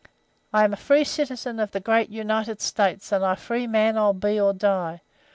I am a free citizen of the Great United States, and a free man I'll be or die.